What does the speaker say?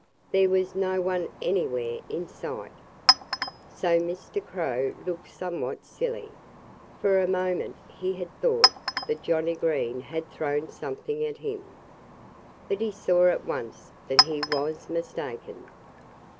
There was no one anywhere in sight. So Mr. Crow looked somewhat silly. For a moment he had thought that Johnnie Green had thrown something at him. But he saw at once that he was mistaken.